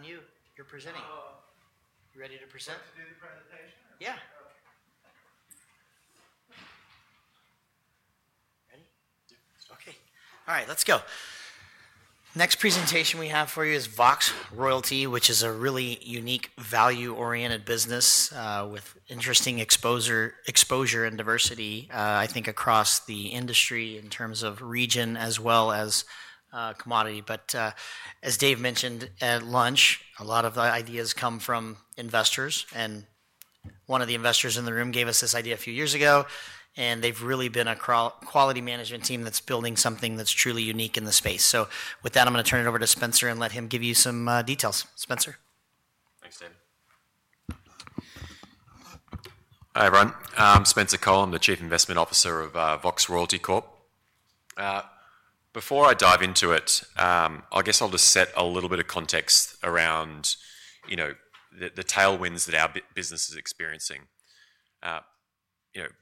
Waiting on you. You're presenting. Oh. You ready to present? You want us to do the presentation or? Yeah. Okay. All right, let's go. Next presentation we have for you is Vox Royalty, which is a really unique value-oriented business with interesting exposure and diversity, I think, across the industry in terms of region as well as commodity. As Dave mentioned at lunch, a lot of the ideas come from investors. One of the investors in the room gave us this idea a few years ago. They have really been a quality management team that's building something that's truly unique in the space. With that, I'm going to turn it over to Spencer and let him give you some details. Spencer. Thanks, Dave. Hi, everyone. I'm Spencer Cole. I'm the Chief Investment Officer of Vox Royalty Corp. Before I dive into it, I guess I'll just set a little bit of context around the tailwinds that our business is experiencing.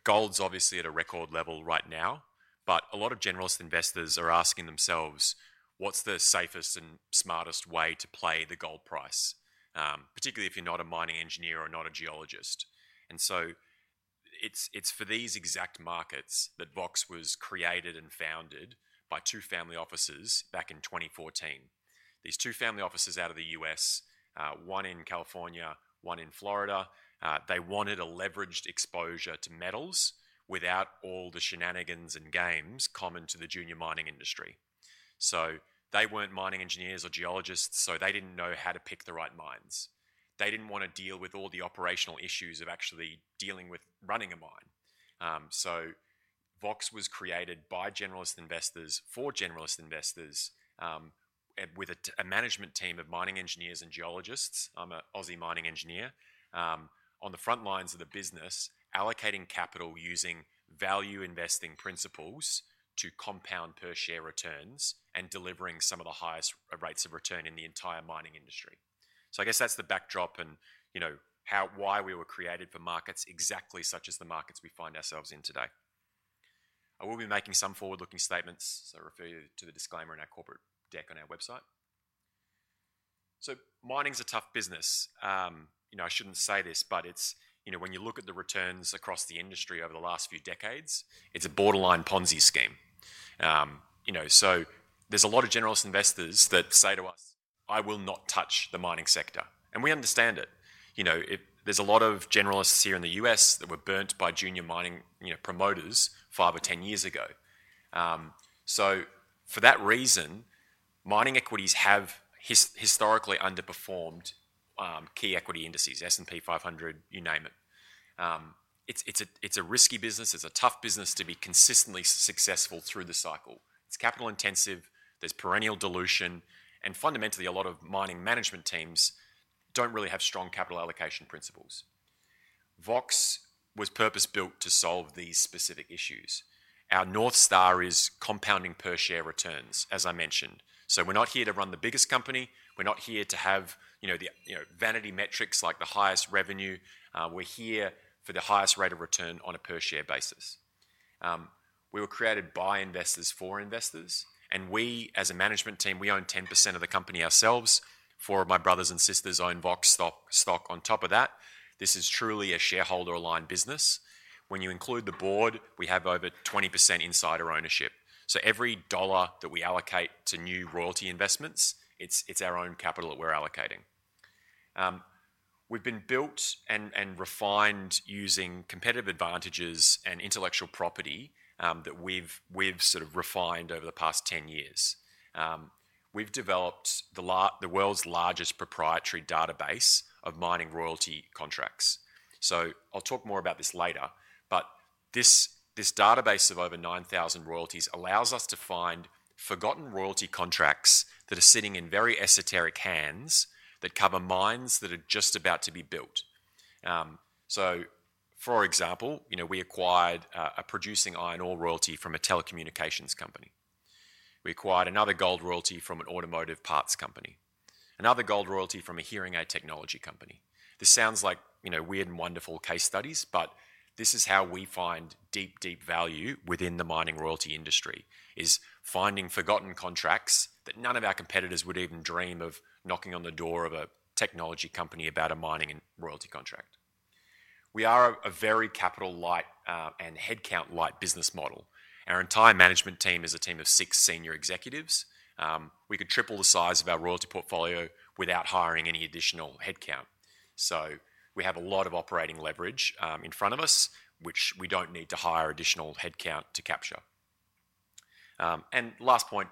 Gold's obviously at a record level right now, but a lot of generalist investors are asking themselves, what's the safest and smartest way to play the gold price, particularly if you're not a mining engineer or not a geologist? It's for these exact markets that Vox was created and founded by two family offices back in 2014. These two family offices out of the U.S., one in California, one in Florida, they wanted a leveraged exposure to metals without all the shenanigans and games common to the junior mining industry. They weren't mining engineers or geologists, so they didn't know how to pick the right mines. They did not want to deal with all the operational issues of actually dealing with running a mine. Vox was created by generalist investors for generalist investors with a management team of mining engineers and geologists. I am an Aussie mining engineer. On the front lines of the business, allocating capital using value investing principles to compound per-share returns and delivering some of the highest rates of return in the entire mining industry. I guess that is the backdrop and why we were created for markets exactly such as the markets we find ourselves in today. I will be making some forward-looking statements, so I refer you to the disclaimer in our corporate deck on our website. Mining is a tough business. I should not say this, but when you look at the returns across the industry over the last few decades, it is a borderline Ponzi scheme. There is a lot of generalist investors that say to us, "I will not touch the mining sector." We understand it. There is a lot of generalists here in the U.S. that were burnt by junior mining promoters five or 10 years ago. For that reason, mining equities have historically underperformed key equity indices, S&P 500, you name it. It is a risky business. It is a tough business to be consistently successful through the cycle. It is capital-intensive. There is perennial dilution. Fundamentally, a lot of mining management teams do not really have strong capital allocation principles. Vox was purpose-built to solve these specific issues. Our North Star is compounding per-share returns, as I mentioned. We are not here to run the biggest company. We are not here to have vanity metrics like the highest revenue. We are here for the highest rate of return on a per-share basis. We were created by investors for investors. We, as a management team, own 10% of the company ourselves. Four of my brothers and sisters own Vox stock. On top of that, this is truly a shareholder-aligned business. When you include the board, we have over 20% insider ownership. Every dollar that we allocate to new royalty investments, it is our own capital that we are allocating. We have been built and refined using competitive advantages and intellectual property that we have sort of refined over the past 10 years. We have developed the world's largest proprietary database of mining royalty contracts. I will talk more about this later. This database of over 9,000 royalties allows us to find forgotten royalty contracts that are sitting in very esoteric hands that cover mines that are just about to be built. For example, we acquired a producing iron ore royalty from a telecommunications company. We acquired another gold royalty from an automotive parts company. Another gold royalty from a hearing aid technology company. This sounds like weird and wonderful case studies, but this is how we find deep, deep value within the mining royalty industry, is finding forgotten contracts that none of our competitors would even dream of knocking on the door of a technology company about a mining royalty contract. We are a very capital-light and headcount-light business model. Our entire management team is a team of six senior executives. We could triple the size of our royalty portfolio without hiring any additional headcount. We have a lot of operating leverage in front of us, which we do not need to hire additional headcount to capture. Last point,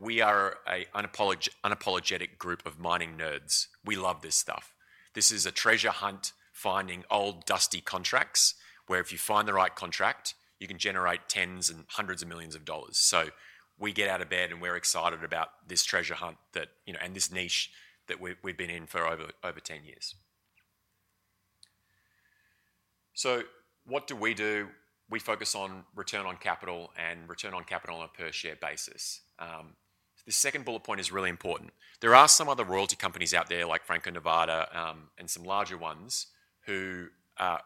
we are an unapologetic group of mining nerds. We love this stuff. This is a treasure hunt finding old dusty contracts where if you find the right contract, you can generate tens and hundreds of millions of dollars. We get out of bed and we are excited about this treasure hunt and this niche that we have been in for over 10 years. What do we do? We focus on return on capital and return on capital on a per-share basis. The second bullet point is really important. There are some other royalty companies out there like Franco-Nevada and some larger ones who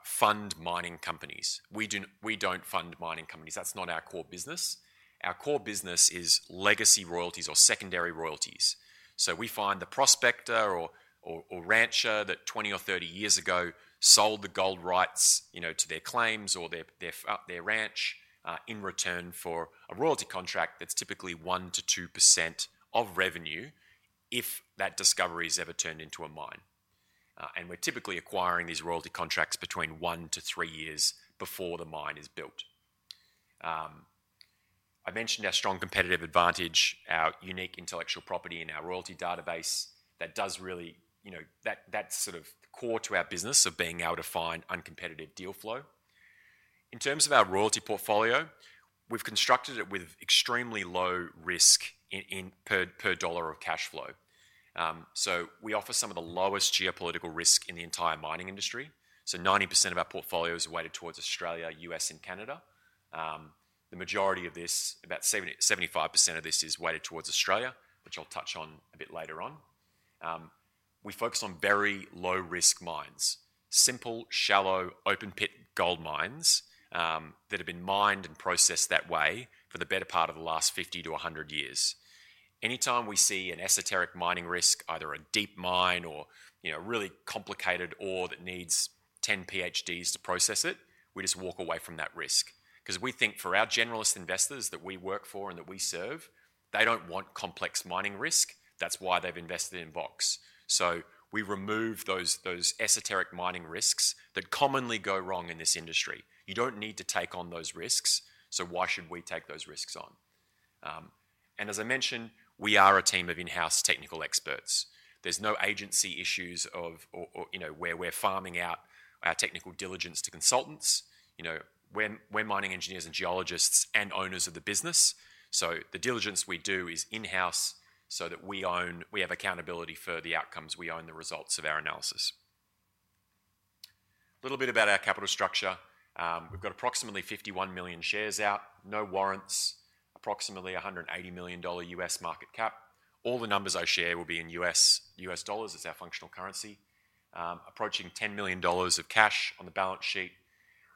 fund mining companies. We do not fund mining companies. That is not our core business. Our core business is legacy royalties or secondary royalties. We find the prospector or rancher that 20 or 30 years ago sold the gold rights to their claims or their ranch in return for a royalty contract that's typically 1%-2% of revenue if that discovery is ever turned into a mine. We're typically acquiring these royalty contracts between one to three years before the mine is built. I mentioned our strong competitive advantage, our unique intellectual property in our royalty database. That is really—that's sort of core to our business of being able to find uncompetitive deal flow. In terms of our royalty portfolio, we've constructed it with extremely low risk per dollar of cash flow. We offer some of the lowest geopolitical risk in the entire mining industry. Ninety percent of our portfolio is weighted towards Australia, U.S., and Canada. The majority of this, about 75% of this, is weighted towards Australia, which I'll touch on a bit later on. We focus on very low-risk mines, simple, shallow, open-pit gold mines that have been mined and processed that way for the better part of the last 50-100 years. Anytime we see an esoteric mining risk, either a deep mine or a really complicated ore that needs 10 PhDs to process it, we just walk away from that risk. Because we think for our generalist investors that we work for and that we serve, they do not want complex mining risk. That is why they have invested in Vox. We remove those esoteric mining risks that commonly go wrong in this industry. You do not need to take on those risks, so why should we take those risks on? As I mentioned, we are a team of in-house technical experts. There's no agency issues where we're farming out our technical diligence to consultants. We're mining engineers and geologists and owners of the business. So the diligence we do is in-house so that we have accountability for the outcomes. We own the results of our analysis. A little bit about our capital structure. We've got approximately 51 million shares out, no warrants, approximately $180 million U.S. market cap. All the numbers I share will be in U.S. dollars as our functional currency, approaching $10 million of cash on the balance sheet.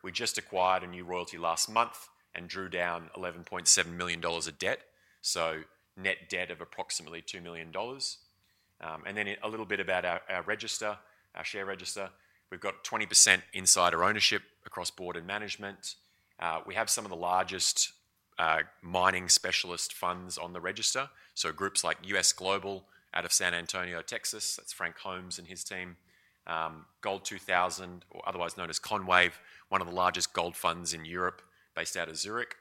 We just acquired a new royalty last month and drew down $11.7 million of debt, so net debt of approximately $2 million. And then a little bit about our register, our share register. We've got 20% insider ownership across board and management. We have some of the largest mining specialist funds on the register, so groups like U.S. Global out of San Antonio, Texas. That's Frank Holmes and his team. Gold 2000, or otherwise known as Conwave, one of the largest gold funds in Europe based out of Zurich,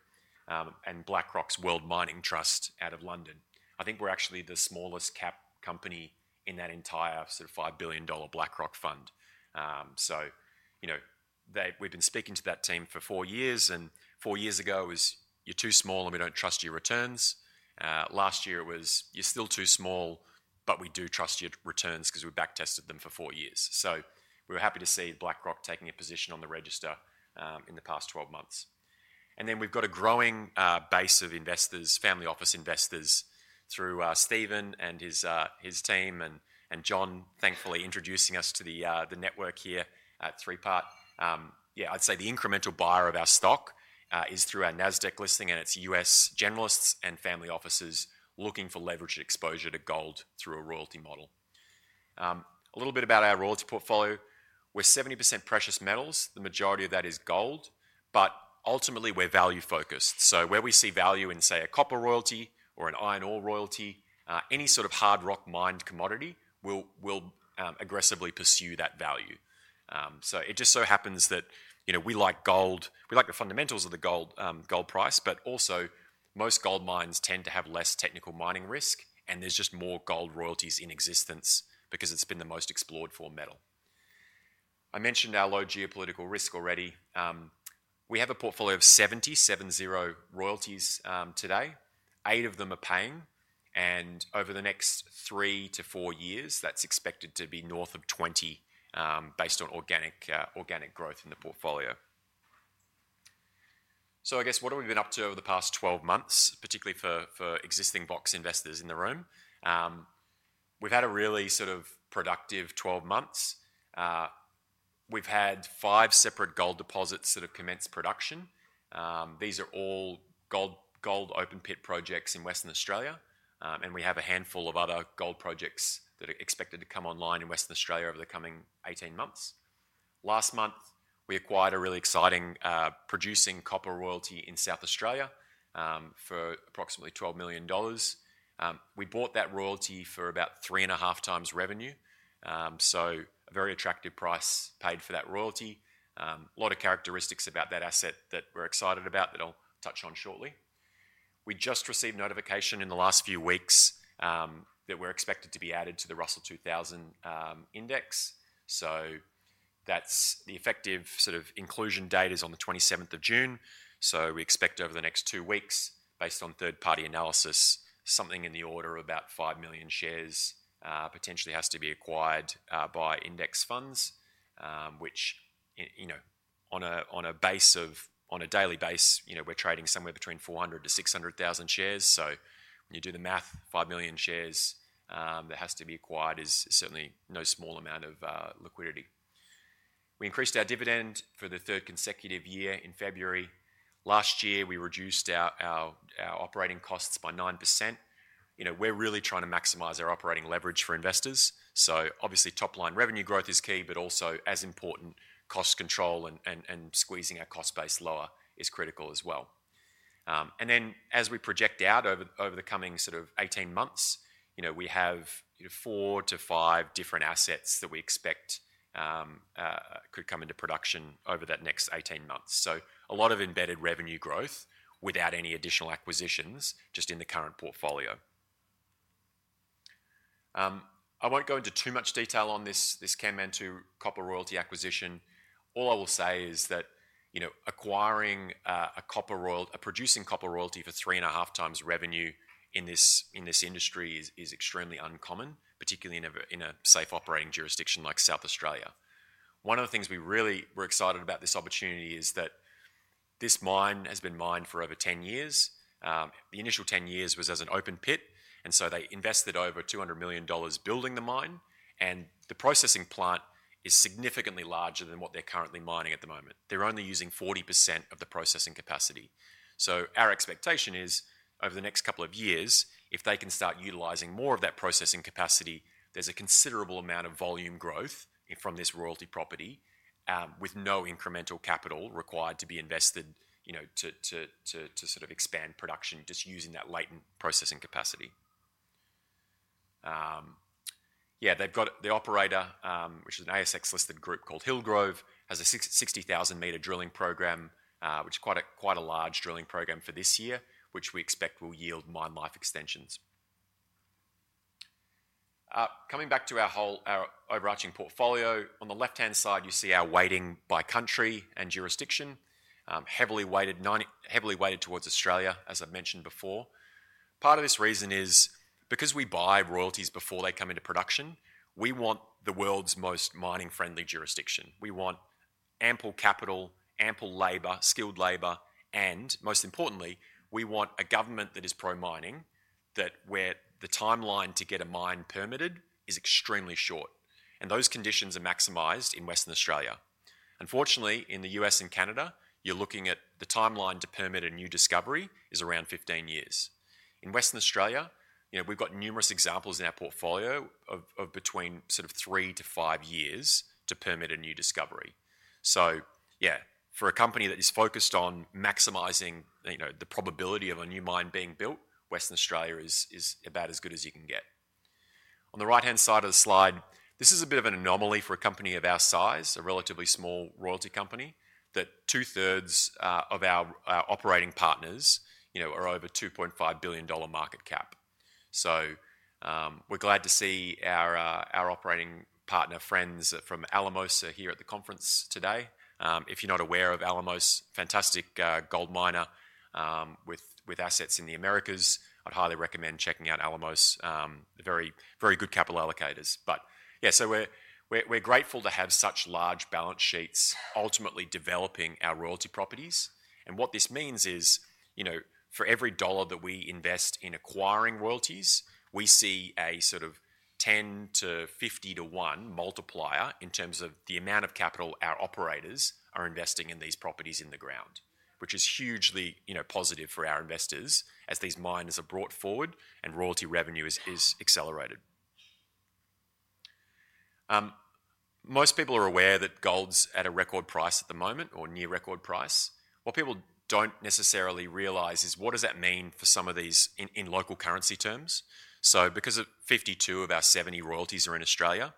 and BlackRock World Mining Trust out of London. I think we're actually the smallest-cap company in that entire sort of $5 billion BlackRock fund. We have been speaking to that team for four years. Four years ago it was, "You're too small and we don't trust your returns." Last year it was, "You're still too small, but we do trust your returns because we've backtested them for four years." We were happy to see BlackRock taking a position on the register in the past 12 months. We have a growing base of investors, family office investors, through Stephen and his team and John, thankfully, introducing us to the network here at Three Part. I'd say the incremental buyer of our stock is through our Nasdaq listing, and it's U.S. generalists and family offices looking for leveraged exposure to gold through a royalty model. A little bit about our royalty portfolio. We're 70% precious metals. The majority of that is gold. Ultimately, we're value-focused. Where we see value in, say, a copper royalty or an iron ore royalty, any sort of hard rock mined commodity, we will aggressively pursue that value. It just so happens that we like gold. We like the fundamentals of the gold price, but also most gold mines tend to have less technical mining risk, and there's just more gold royalties in existence because it's been the most explored for metal. I mentioned our low geopolitical risk already. We have a portfolio of 70 royalties today. Eight of them are paying. Over the next three to four years, that's expected to be north of 20 based on organic growth in the portfolio. I guess what have we been up to over the past 12 months, particularly for existing Vox investors in the room? We've had a really sort of productive 12 months. We've had five separate gold deposits that have commenced production. These are all gold open-pit projects in Western Australia. We have a handful of other gold projects that are expected to come online in Western Australia over the coming 18 months. Last month, we acquired a really exciting producing copper royalty in South Australia for approximately $12 million. We bought that royalty for about three and a half times revenue. A very attractive price paid for that royalty. A lot of characteristics about that asset that we are excited about that I will touch on shortly. We just received notification in the last few weeks that we are expected to be added to the Russell 2000 Index. The effective sort of inclusion date is on the 27th of June. We expect over the next two weeks, based on third-party analysis, something in the order of about 5 million shares potentially has to be acquired by index funds, which on a daily base, we're trading somewhere between 400,000-600,000 shares. When you do the math, 5 million shares that has to be acquired is certainly no small amount of liquidity. We increased our dividend for the third consecutive year in February. Last year, we reduced our operating costs by 9%. We're really trying to maximize our operating leverage for investors. Obviously, top-line revenue growth is key, but also as important, cost control and squeezing our cost base lower is critical as well. As we project out over the coming sort of 18 months, we have four to five different assets that we expect could come into production over that next 18 months. A lot of embedded revenue growth without any additional acquisitions just in the current portfolio. I will not go into too much detail on this Kanmantoo copper royalty acquisition. All I will say is that acquiring a producing copper royalty for three and a half times revenue in this industry is extremely uncommon, particularly in a safe operating jurisdiction like South Australia. One of the things we really were excited about with this opportunity is that this mine has been mined for over 10 years. The initial 10 years was as an open-pit. They invested over $200 million building the mine. The processing plant is significantly larger than what they are currently mining at the moment. They are only using 40% of the processing capacity. Our expectation is over the next couple of years, if they can start utilizing more of that processing capacity, there's a considerable amount of volume growth from this royalty property with no incremental capital required to be invested to sort of expand production just using that latent processing capacity. The operator, which is an ASX-listed group called Hillgrove, has a 60,000-meter drilling program, which is quite a large drilling program for this year, which we expect will yield mine life extensions. Coming back to our overarching portfolio, on the left-hand side, you see our weighting by country and jurisdiction. Heavily weighted towards Australia, as I mentioned before. Part of this reason is because we buy royalties before they come into production, we want the world's most mining-friendly jurisdiction. We want ample capital, ample labor, skilled labor, and most importantly, we want a government that is pro-mining that where the timeline to get a mine permitted is extremely short. Those conditions are maximized in Western Australia. Unfortunately, in the U.S. and Canada, you're looking at the timeline to permit a new discovery is around 15 years. In Western Australia, we've got numerous examples in our portfolio of between three to five years to permit a new discovery. Yeah, for a company that is focused on maximizing the probability of a new mine being built, Western Australia is about as good as you can get. On the right-hand side of the slide, this is a bit of an anomaly for a company of our size, a relatively small royalty company, that 2/3 of our operating partners are over $2.5 billion market cap. We're glad to see our operating partner friends from Alamos here at the conference today. If you're not aware of Alamos, fantastic gold miner with assets in the Americas. I'd highly recommend checking out Alamos. Very good capital allocators. Yeah, we're grateful to have such large balance sheets ultimately developing our royalty properties. What this means is for every dollar that we invest in acquiring royalties, we see a sort of 10-50 to 1 multiplier in terms of the amount of capital our operators are investing in these properties in the ground, which is hugely positive for our investors as these mines are brought forward and royalty revenue is accelerated. Most people are aware that gold's at a record price at the moment or near record price. What people do not necessarily realize is what does that mean for some of these in local currency terms. Because 52 of our 70 royalties are in Australia,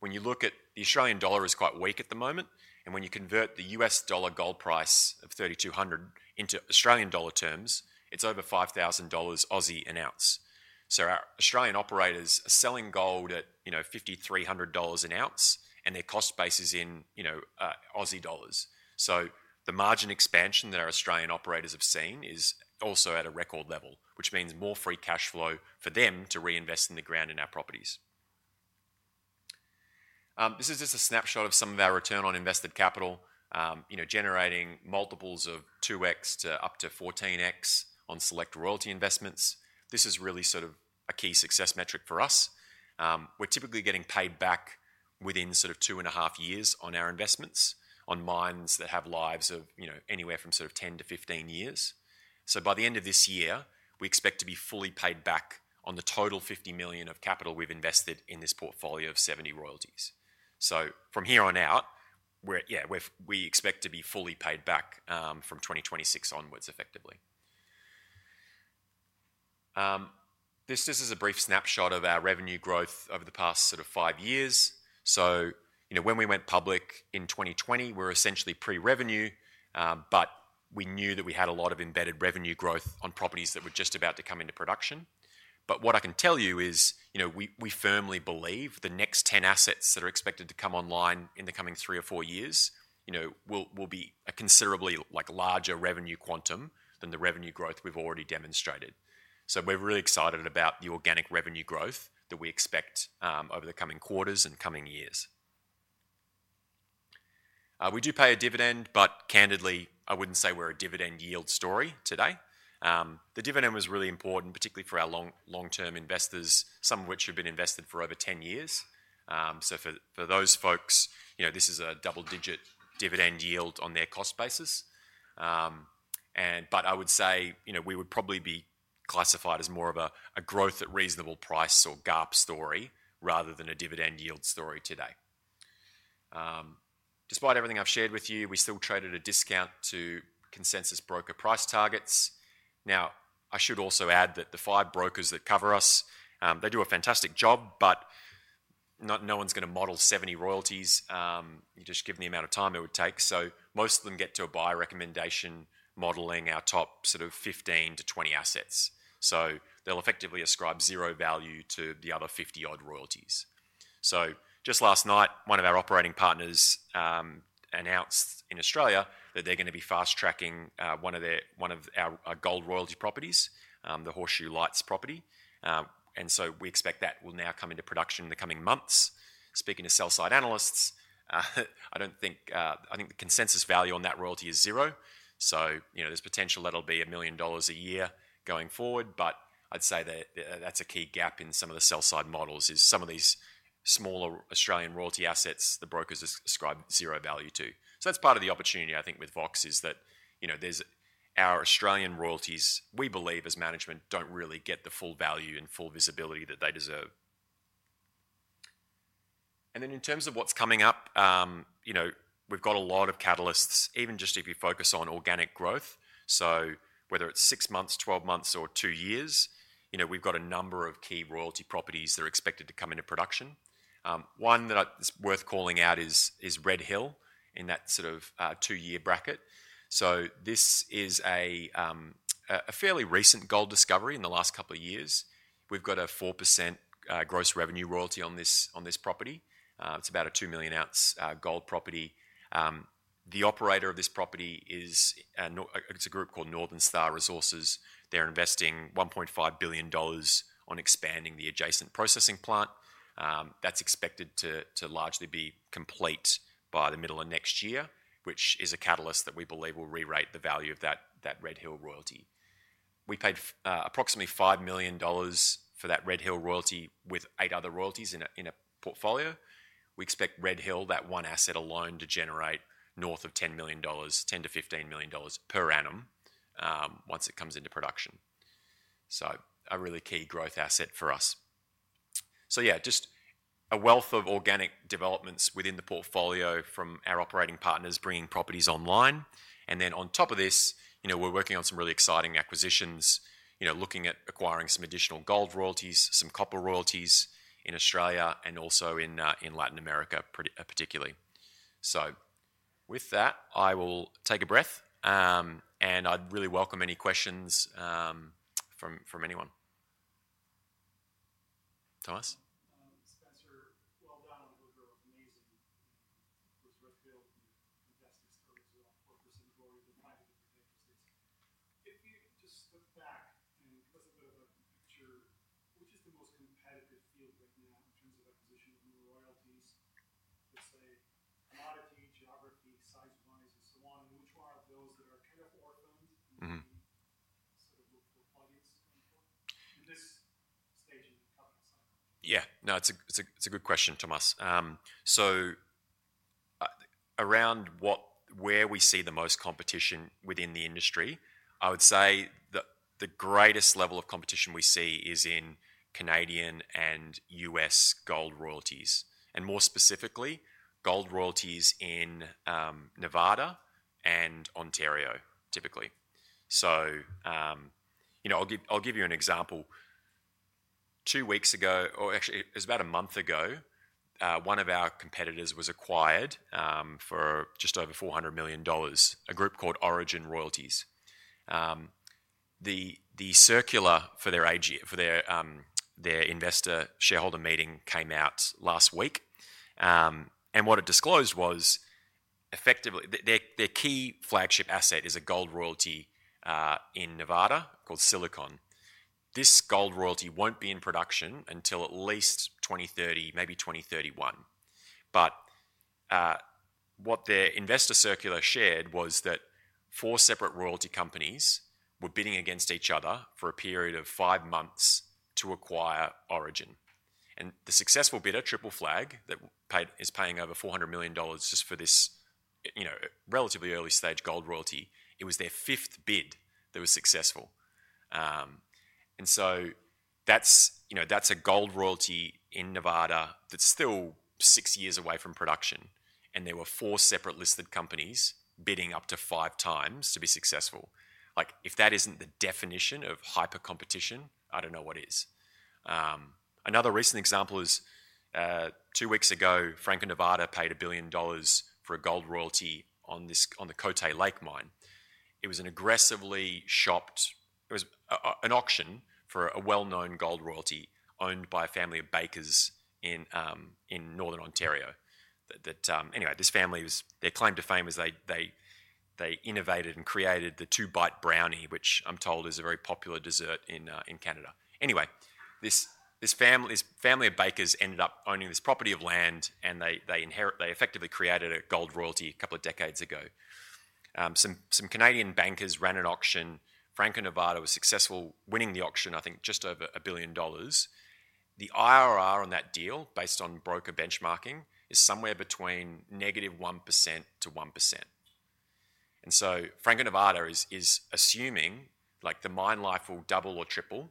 when you look at the Australian dollar, it is quite weak at the moment. When you convert the U.S. dollar gold price of $3,200 into Australian dollar terms, it is over 5,000 Aussie dollars an ounce. Our Australian operators are selling gold at 5,300 dollars an ounce, and their cost base is in Aussie dollars. The margin expansion that our Australian operators have seen is also at a record level, which means more free cash flow for them to reinvest in the ground in our properties. This is just a snapshot of some of our return on invested capital generating multiples of 2x to up to 14x on select royalty investments. This is really sort of a key success metric for us. We're typically getting paid back within sort of two and a half years on our investments on mines that have lives of anywhere from sort of 10-15 years. By the end of this year, we expect to be fully paid back on the total $50 million of capital we've invested in this portfolio of 70 royalties. From here on out, yeah, we expect to be fully paid back from 2026 onwards effectively. This is a brief snapshot of our revenue growth over the past sort of five years. When we went public in 2020, we were essentially pre-revenue, but we knew that we had a lot of embedded revenue growth on properties that were just about to come into production. What I can tell you is we firmly believe the next 10 assets that are expected to come online in the coming three or four years will be a considerably larger revenue quantum than the revenue growth we've already demonstrated. We are really excited about the organic revenue growth that we expect over the coming quarters and coming years. We do pay a dividend, but candidly, I would not say we are a dividend yield story today. The dividend was really important, particularly for our long-term investors, some of whom have been invested for over 10 years. For those folks, this is a double-digit dividend yield on their cost basis. I would say we would probably be classified as more of a growth at reasonable price or GARP story rather than a dividend yield story today. Despite everything I've shared with you, we still trade at a discount to consensus broker price targets. Now, I should also add that the five brokers that cover us, they do a fantastic job, but no one's going to model 70 royalties. You just give them the amount of time it would take. Most of them get to a buy recommendation modeling our top sort of 15-20 assets. They will effectively ascribe zero value to the other 50-odd royalties. Just last night, one of our operating partners announced in Australia that they're going to be fast-tracking one of our gold royalty properties, the Horseshoe Lights property. We expect that will now come into production in the coming months. Speaking to sell-side analysts, I think the consensus value on that royalty is zero. There is potential that will be $1 million a year going forward. I'd say that that's a key gap in some of the sell-side models is some of these smaller Australian royalty assets the brokers ascribe zero value to. That's part of the opportunity, I think, with Vox is that our Australian royalties, we believe as management, don't really get the full value and full visibility that they deserve. In terms of what's coming up, we've got a lot of catalysts, even just if you focus on organic growth. Whether it's six months, 12 months, or two years, we've got a number of key royalty properties that are expected to come into production. One that is worth calling out is Red Hill in that sort of two-year bracket. This is a fairly recent gold discovery in the last couple of years. We've got a 4% gross revenue royalty on this property. It's about a 2 million-ounce gold property. The operator of this property is a group called Northern Star Resources. They're investing $1.5 billion on expanding the adjacent processing plant. That's expected to largely be complete by the middle of next year, which is a catalyst that we believe will re-rate the value of that Red Hill royalty. We paid approximately $5 million for that Red Hill royalty with eight other royalties in a portfolio. We expect Red Hill, that one asset alone, to generate north of $10 million, $10-$15 million per annum once it comes into production. A really key growth asset for us. Yeah, just a wealth of organic developments within the portfolio from our operating partners bringing properties online. Then on top of this, we're working on some really exciting acquisitions, looking at acquiring some additional gold royalties, some copper royalties in Australia and also in Latin America, particularly. With that, I will take a breath, and I'd really welcome any questions from anyone. Thomas? Spencer, well done on your amazing work with Red Hill and your fantastic stories around 4% royalty divided across the agency. If you just look back and give us a bit of a picture, which is the most competitive field right now in terms of acquisition of new royalties, let's say commodity, geography, size-wise, and so on, and which are those that are kind of orphaned and sort of look for plug-ins going forward in this stage in the capital cycle? Yeah. No, it's a good question, Thomas. Around where we see the most competition within the industry, I would say the greatest level of competition we see is in Canadian and U.S. gold royalties, and more specifically, gold royalties in Nevada and Ontario, typically. I'll give you an example. Two weeks ago, or actually, it was about a month ago, one of our competitors was acquired for just over $400 million, a group called Orogen Royalties. The circular for their investor shareholder meeting came out last week. What it disclosed was effectively their key flagship asset is a gold royalty in Nevada called Silicon. This gold royalty will not be in production until at least 2030, maybe 2031. What their investor circular shared was that four separate royalty companies were bidding against each other for a period of five months to acquire Orogen. The successful bidder, Triple Flag, that is paying over $400 million just for this relatively early-stage gold royalty, it was their fifth bid that was successful. That is a gold royalty in Nevada that is still six years away from production. There were four separate listed companies bidding up to five times to be successful. If that is not the definition of hyper-competition, I do not know what is. Another recent example is two weeks ago, Franco-Nevada paid $1 billion for a gold royalty on the Cote Lake mine. It was an aggressively shopped, it was an auction for a well-known gold royalty owned by a family of bakers in Northern Ontario. Anyway, this family, their claim to fame is they innovated and created the two-bite brownie, which I am told is a very popular dessert in Canada. Anyway, this family of bakers ended up owning this property of land, and they effectively created a gold royalty a couple of decades ago. Some Canadian bankers ran an auction. Franco-Nevada was successful, winning the auction, I think, just over $1 billion. The IRR on that deal, based on broker benchmarking, is somewhere between -1%-1%. Franco-Nevada is assuming the mine life will double or triple.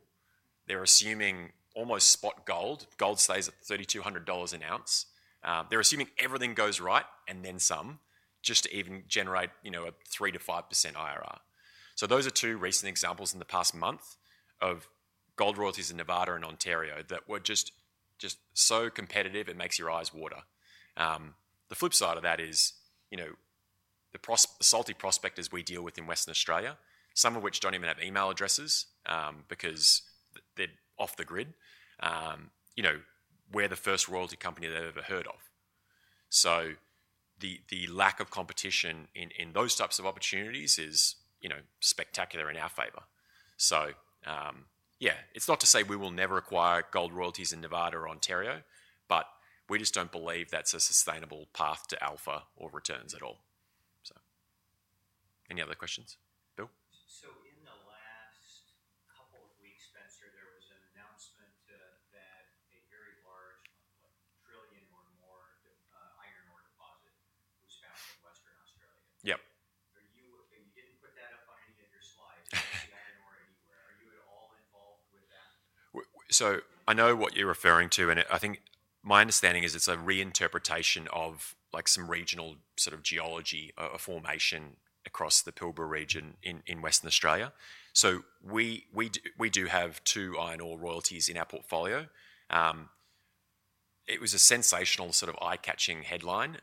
They're assuming almost spot gold. Gold stays at $3,200 an ounce. They're assuming everything goes right and then some just to even generate a 3%-5% IRR. Those are two recent examples in the past month of gold royalties in Nevada and Ontario that were just so competitive, it makes your eyes water. The flip side of that is the salty prospectors we deal with in Western Australia, some of which do not even have email addresses because they are off the grid, we are the first royalty company they have ever heard of. The lack of competition in those types of opportunities is spectacularly in our favor. Yeah, it is not to say we will never acquire gold royalties in Nevada or Ontario, but we just do not believe that is a sustainable path to alpha or returns at all. Any other questions? Bill? In the last couple of weeks, Spencer, there was an announcement that a very large, what, trillion or more iron ore deposit was found in Western Australia. Are you—and you did not put that up on any of your slides—iron ore anywhere. Are you at all involved with that? I know what you're referring to, and I think my understanding is it's a reinterpretation of some regional sort of geology formation across the Pilbara region in Western Australia. We do have two iron ore royalties in our portfolio. It was a sensational sort of eye-catching headline.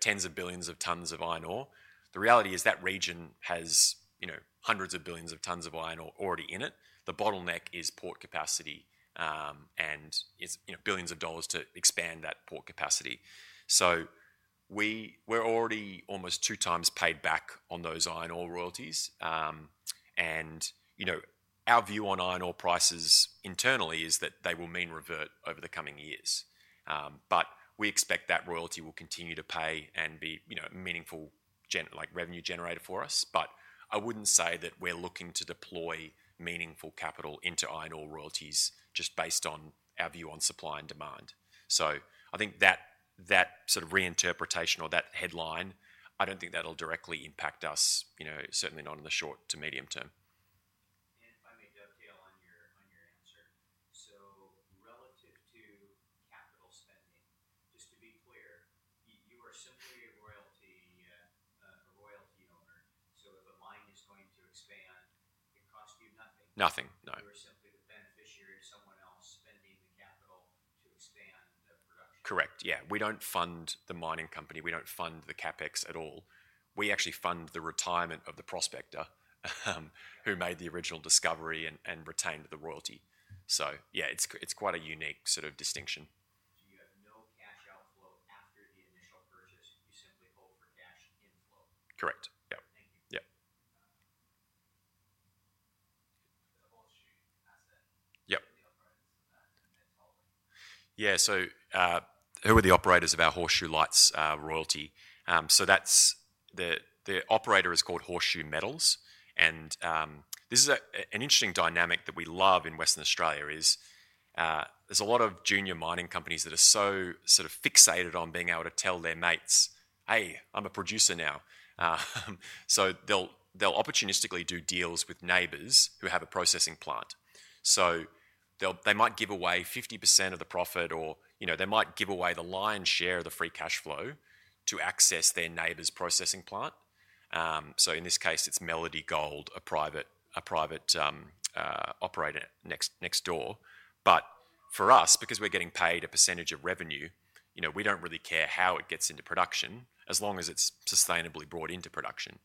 Tens of billions of tons of iron ore. The reality is that region has hundreds of billions of tons of iron ore already in it. The bottleneck is port capacity, and it's billions of dollars to expand that port capacity. We're already almost two times paid back on those iron ore royalties. Our view on iron ore prices internally is that they will mean revert over the coming years. We expect that royalty will continue to pay and be a meaningful revenue generator for us. I would not say that we are looking to deploy meaningful capital into iron ore royalties just based on our view on supply and demand. I think that sort of reinterpretation or that headline, I do not think that will directly impact us, certainly not in the short to medium term. If I may dovetail on your answer. Relative to capital spending, just to be clear, you are simply a royalty owner. If a mine is going to expand, it costs you nothing. Nothing. No. You are simply the beneficiary of someone else spending the capital to expand the production. Correct. Yeah. We do not fund the mining company. We do not fund the CapEx at all. We actually fund the retirement of the prospector who made the original discovery and retained the royalty. Yeah, it is quite a unique sort of distinction. You have no cash outflow after the initial purchase. You simply hold for cash inflow. Correct. Yeah. Thank you. Yeah. The Horseshoe asset and the operators of that, and tell them. Yeah. Who are the operators of our Horseshoe Lights royalty? The operator is called Horseshoe Metals. This is an interesting dynamic that we love in Western Australia. There are a lot of junior mining companies that are so sort of fixated on being able to tell their mates, "Hey, I'm a producer now." They will opportunistically do deals with neighbors who have a processing plant. They might give away 50% of the profit or they might give away the lion's share of the free cash flow to access their neighbors' processing plant. In this case, it is Melody Gold, a private operator next door. For us, because we're getting paid a percentage of revenue, we don't really care how it gets into production as long as it's sustainably brought into production.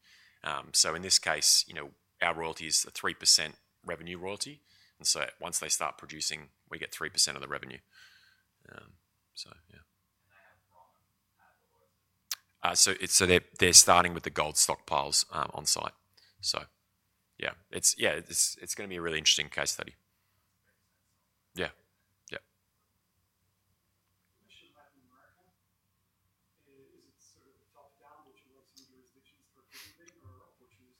In this case, our royalty is a 3% revenue royalty. Once they start producing, we get 3% of the revenue. I have not had the royalty. They're starting with the gold stockpiles on site. It's going to be a really interesting case study. Very sensible. Commission Latin America? Is it sort of top-down, which works in jurisdictions for everything, or which is?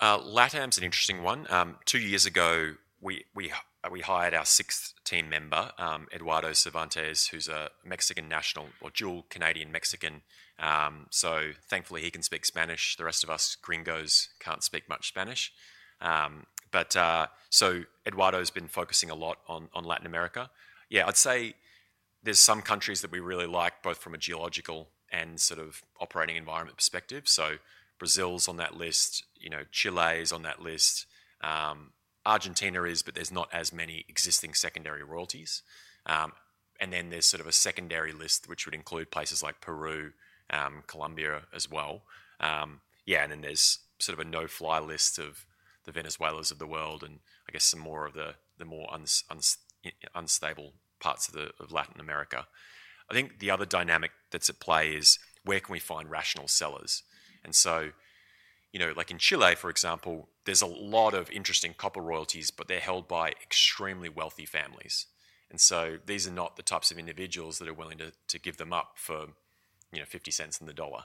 LATAM's an interesting one. Two years ago, we hired our sixth team member, Eduardo Cervantes, who's a Mexican national or dual Canadian-Mexican. Thankfully, he can speak Spanish. The rest of us, gringos, can't speak much Spanish. Eduardo's been focusing a lot on Latin America. Yeah, I'd say there's some countries that we really like, both from a geological and sort of operating environment perspective. Brazil's on that list. Chile's on that list. Argentina is, but there's not as many existing secondary royalties. Then there's sort of a secondary list, which would include places like Peru, Colombia as well. Yeah. Then there's sort of a no-fly list of the Venezuelas of the world and, I guess, some more of the more unstable parts of Latin America. I think the other dynamic that's at play is where can we find rational sellers. In Chile, for example, there's a lot of interesting copper royalties, but they're held by extremely wealthy families. These are not the types of individuals that are willing to give them up for $0.50 in the dollar.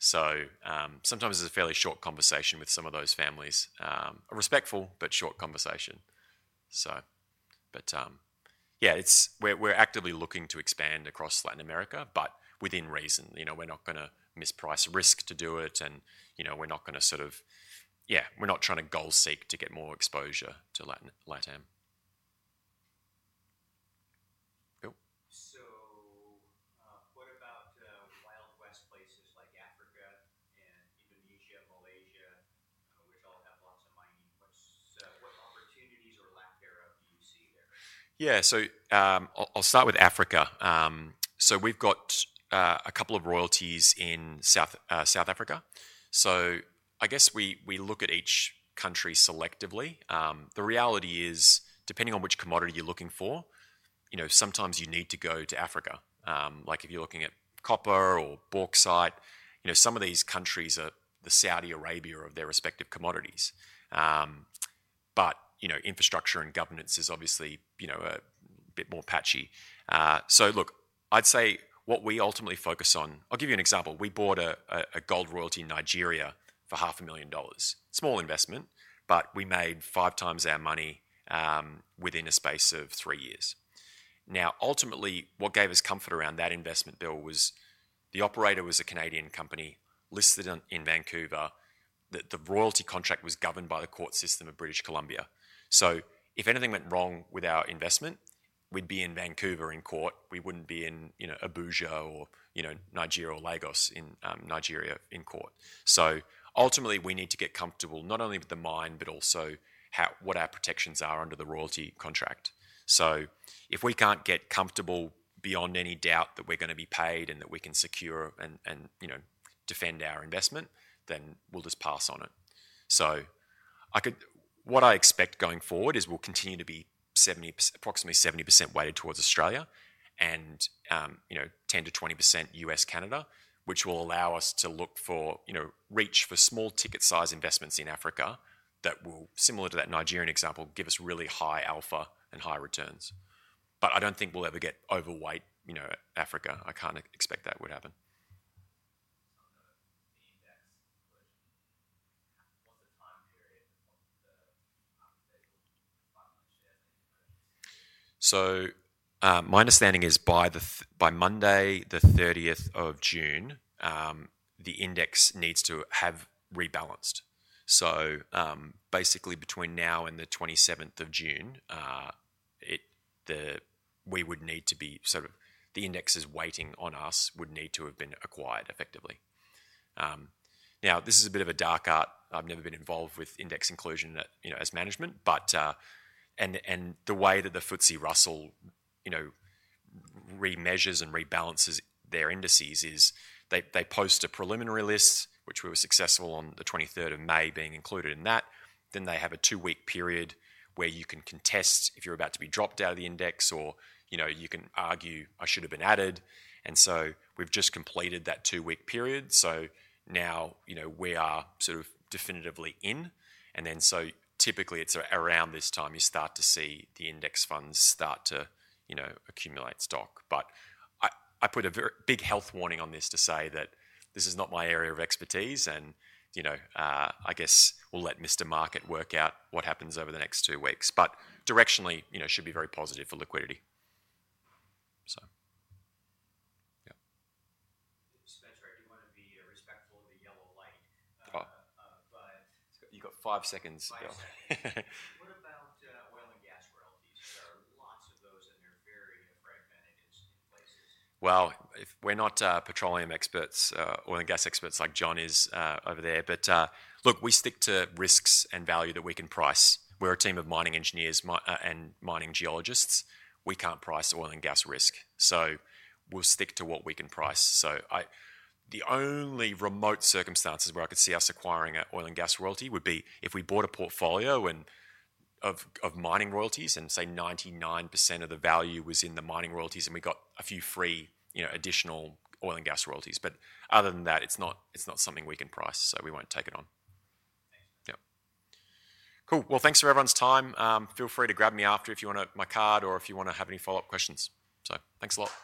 Sometimes there is a fairly short conversation with some of those families. A respectful but short conversation. Yeah, we are actively looking to expand across Latin America, but within reason. We are not going to misprice risk to do it, and we are not going to sort of—yeah, we are not trying to goal-seek to get more exposure to LATAM. Bill? What about wild west places like Africa and Indonesia and Malaysia, which all have lots of mining? What opportunities or lack thereof do you see there? Yeah. I will start with Africa. We have a couple of royalties in South Africa. I guess we look at each country selectively. The reality is, depending on which commodity you are looking for, sometimes you need to go to Africa. If you are looking at copper or bauxite, some of these countries are the Saudi Arabia of their respective commodities. Infrastructure and governance is obviously a bit more patchy. I'd say what we ultimately focus on—I'll give you an example. We bought a gold royalty in Nigeria for $500,000. Small investment, but we made five times our money within a space of three years. Ultimately, what gave us comfort around that investment, Bill, was the operator was a Canadian company listed in Vancouver. The royalty contract was governed by the court system of British Columbia. If anything went wrong with our investment, we'd be in Vancouver in court. We wouldn't be in Abuja or Nigeria or Lagos in Nigeria in court. Ultimately, we need to get comfortable not only with the mine but also what our protections are under the royalty contract. If we can't get comfortable beyond any doubt that we're going to be paid and that we can secure and defend our investment, then we'll just pass on it. What I expect going forward is we'll continue to be approximately 70% weighted towards Australia and 10%-20% U.S.-Canada, which will allow us to look for, reach for, small ticket-sized investments in Africa that will, similar to that Nigerian example, give us really high alpha and high returns. I don't think we'll ever get overweight Africa. I can't expect that would happen. On the index question, what's the time period of unstable funds shares in the United States? My understanding is by Monday, the 30th of June, the index needs to have rebalanced. Basically, between now and the 27th of June, we would need to be sort of—the index's weighting on us would need to have been acquired effectively. Now, this is a bit of a dark art. I've never been involved with index inclusion as management. The way that the FTSE Russell remeasures and rebalances their indices is they post a preliminary list, which we were successful on the 23rd of May being included in that. Then they have a two-week period where you can contest if you're about to be dropped out of the index, or you can argue, "I should have been added." We've just completed that two-week period. Now we are sort of definitively in. Typically, it's around this time you start to see the index funds start to accumulate stock. But I put a big health warning on this to say that this is not my area of expertise, and I guess we'll let Mr. Market work out what happens over the next two weeks. Directionally, it should be very positive for liquidity. Yeah. Spencer, I do want to be respectful of the yellow light. You've got five seconds. Five seconds. What about oil and gas royalties? There are lots of those, and they're very fragmented in places. We're not petroleum experts, oil and gas experts like John is over there. Look, we stick to risks and value that we can price. We're a team of mining engineers and mining geologists. We can't price oil and gas risk. We will stick to what we can price. The only remote circumstances where I could see us acquiring an oil and gas royalty would be if we bought a portfolio of mining royalties and, say, 99% of the value was in the mining royalties, and we got a few free additional oil and gas royalties. Other than that, it is not something we can price, so we will not take it on. Thanks. Yeah. Cool. Thanks for everyone's time. Feel free to grab me after if you want my card or if you want to have any follow-up questions. Thanks a lot.